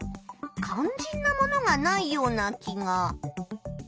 かんじんなものがないような気が。